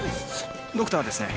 ドクターですね。